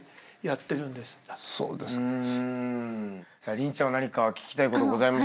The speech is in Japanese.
麟ちゃんは何か聞きたいことございますか？